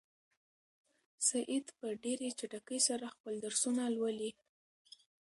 سعید په ډېرې چټکۍ سره خپل درسونه لولي.